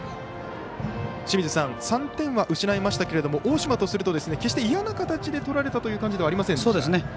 ３点は失いましたけども大島とすると決して嫌な感じで取られたという感じではありませんでした。